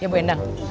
iya bu endang